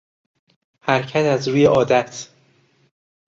حرکت از روی عادت